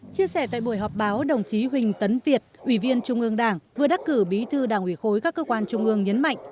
chia sẻ tại buổi họp báo đồng chí huỳnh tấn việt ủy viên trung ương đảng vừa đắc cử bí thư đảng ủy khối các cơ quan trung ương nhấn mạnh